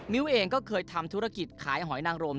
เองก็เคยทำธุรกิจขายหอยนางรม